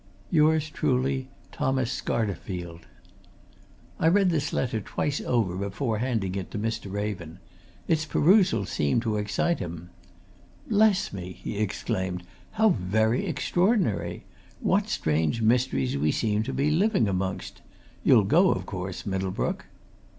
"Yours truly, "THOMAS SCARTERFIELD." I read this letter twice over before handing it to Mr. Raven. Its perusal seemed to excite him. "Bless me!" he exclaimed. "How very extraordinary! What strange mysteries we seem to be living amongst? You'll go, of course, Middlebrook?"